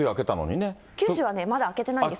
九州はね、まだ明けてないんですよ。